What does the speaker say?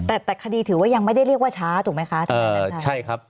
แต่แต่คดีถือว่ายังไม่ได้เรียกว่าช้าถูกไหมคะทนายเดชาใช่ครับ